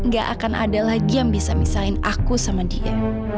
gak akan ada lagi yang bisa misahin aku sama dia